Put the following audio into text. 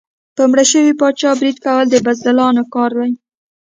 په مړ شوي پاچا برید کول د بزدلانو کار دی.